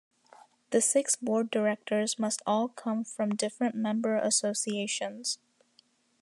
The six Board Directors must all come from different member associations.